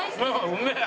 うめえ！